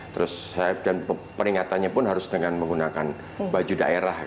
terus dan peringatannya pun harus dengan menggunakan baju daerah